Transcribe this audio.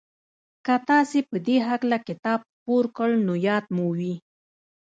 که تاسې په دې هکله کتاب خپور کړ نو ياد مو وي.